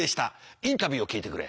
インタビューを聞いてくれ。